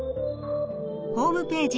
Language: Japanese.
ホームページ